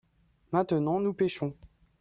maintenant nous pêchons.